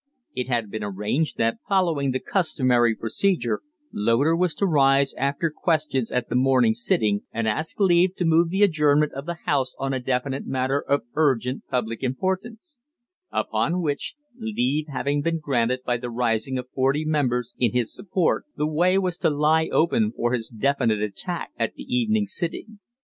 It had been arranged that, following the customary procedure, Loder was to rise after questions at the morning sitting and ask leave to move the adjournment of the House on a definite matter of urgent public importance; upon which leave having been granted by the rising of forty members in his support the way was to lie open for his definite attack at the evening sitting.